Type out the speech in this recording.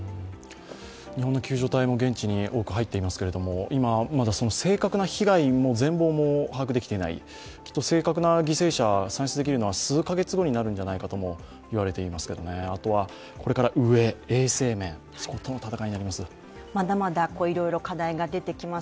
日本の救助隊も現地に多く入っていますけれども、今、まだその正確な被害も全貌も把握できていない、きっと正確な犠牲者算出できるのは数か月後になるのではないかともいわれていますけれどもあとはこれから飢え、衛生面との闘いになっていきます。